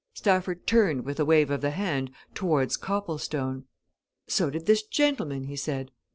Stafford turned with a wave of the hand towards Copplestone. "So did this gentleman," he said.